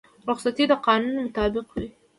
رخصتي د قانون مطابق وي